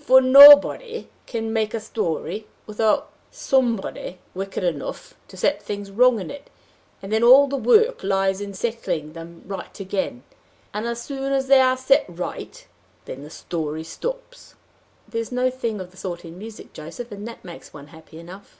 For nobody can make a story without somebody wicked enough to set things wrong in it, and then all the work lies in setting them right again, and, as soon as they are set right, then the story stops." "There's no thing of the sort in music, Joseph, and that makes one happy enough."